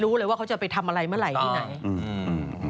รู้เลยว่าเขาจะไปทำอะไรเมื่อไหร่ที่ไหนอืม